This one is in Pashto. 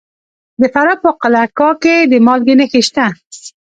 د فراه په قلعه کاه کې د مالګې نښې شته.